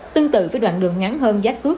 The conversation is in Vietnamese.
tương tự với đoạn đường ngắn hơn giá cước